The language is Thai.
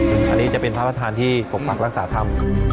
อันนี้จะเป็นพระประธานที่ปกปักรักษาธรรม